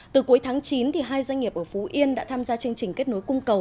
từ cuối tháng chín hai doanh nghiệp ở phú yên đã tham gia chương trình kết nối cung cầu